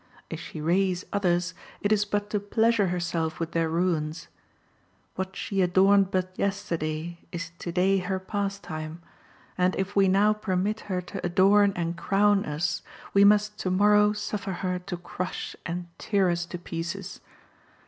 If she raise others, it is but to pleasure herself with their ruins. What she adorned but yesterday is to day her pastime, and if we now permit her to adorn and crown us, we must to morrow suffer her to crush and tear us to pieces.